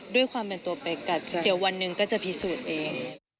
ด้วยความเป็นตัวเป็กเดี๋ยววันนึงก็จะพิสูจน์เอง